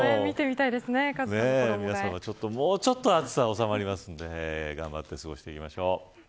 もうちょっとで暑さ収まりますんで頑張って過ごしていきましょう。